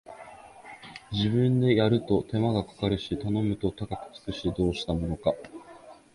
自分でやると手間かかるし頼むと高くつくし、どうしたものか